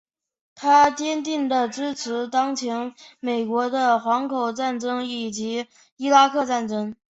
他坚定的支持当前美国的反恐战争以及伊拉克战争。